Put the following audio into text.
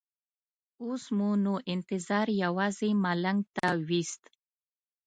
اوس مو نو انتظار یوازې ملنګ ته وېست.